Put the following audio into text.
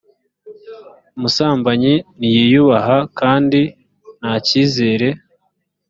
umusambanyi ntiyiyubaha kandi nta kizere